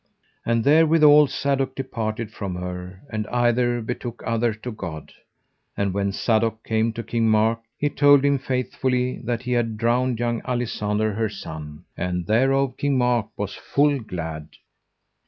And therewithal Sadok departed from her, and either betook other to God. And when Sadok came to King Mark he told him faithfully that he had drowned young Alisander her son; and thereof King Mark was full glad.